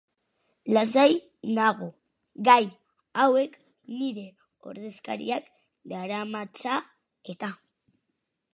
Lasai nago, gai hauek nire ordezkariak daramatza eta.